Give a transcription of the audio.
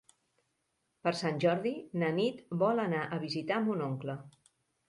Per Sant Jordi na Nit vol anar a visitar mon oncle.